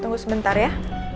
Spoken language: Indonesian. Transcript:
tunggu sebentar ya